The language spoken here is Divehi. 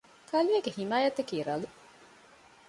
ކަލޭގެ ޙިމާޔަތަކީ ރަލު